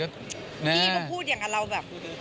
พี่ก็พูดอย่างกับเราแบบ